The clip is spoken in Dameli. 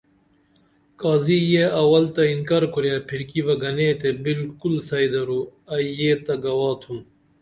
قاضی یے اول تہ انکر کُرے پھرکی بہ گنے تے بلکل صیح درو ائی یے تہ گواہ تُھم